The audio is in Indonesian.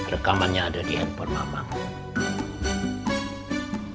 rekamannya ada di handphone mama